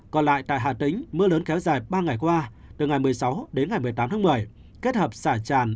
còn lại tại hà tĩnh mưa lớn kéo dài ba ngày qua từ ngày một mươi sáu đến ngày một mươi tám tháng một mươi kết hợp xả tràn